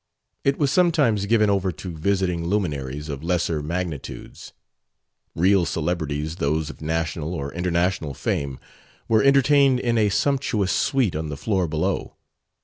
It was sometimes given over to visiting luminaries of lesser magnitudes. Real celebrities those of national or international fame were entertained in a sumptuous suite on the floor below.